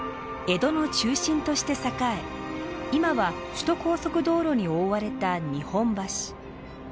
江戸の中心として栄え今は首都高速道路に覆われた日本橋。